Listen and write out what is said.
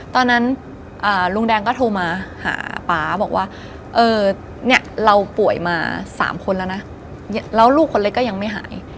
ตอนนั้นลุงแดงก็โทรมาหาป๊าบอกว่าเนี่ยเราป่วยมา๓คนแล้วนะแล้วลูกคนเล็กก็ยังไม่หาย